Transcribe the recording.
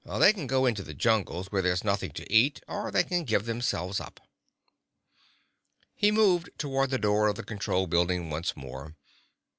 They can go into the jungles where there's nothing to eat, or they can give themselves up." He moved toward the door of the control building once more.